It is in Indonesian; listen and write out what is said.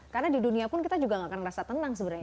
karena di dunia pun kita juga tidak akan merasa tenang sebenarnya